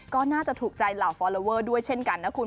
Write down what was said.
ก็น่าจะถูกใจเหล่าฟอลลอเวอร์ด้วยเช่นกันนะคุณ